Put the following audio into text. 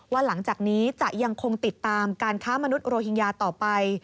หลังจากนี้จะยังคงติดตามการค้ามนุษยโรฮิงญาต่อไป